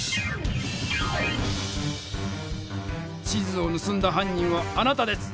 地図をぬすんだはん人はあなたです！